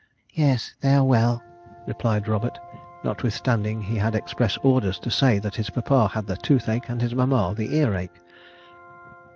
'Yes, they are well,' replied Robert, notwithstanding he had express orders to say that his papa had the toothache, and his mamma the earache.